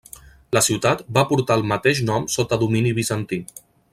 La ciutat va portar el mateix nom sota domini bizantí.